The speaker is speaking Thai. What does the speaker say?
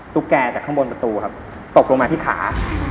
แกจากข้างบนประตูครับตกลงมาที่ขา